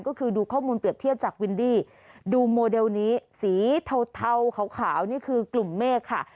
ก็คือดูข้อมูลเปรียบเทียบจากวินดี้ดูโมเดลนี้สีเทาขาวนี่คือกลุ่มเมฆค่ะ